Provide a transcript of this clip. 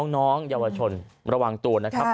น้องเยาวชนระวังตัวนะครับ